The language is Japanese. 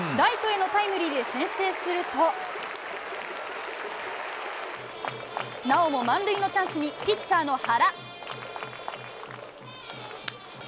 ライトへのタイムリーで先制するとなおも満塁のチャンスにピッチャーの原。